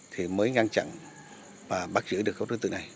thì mới ngăn chặn và bắt giữ được các đối tượng này